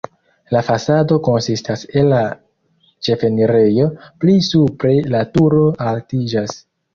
La fasado konsistas el la ĉefenirejo, pli supre la turo altiĝas.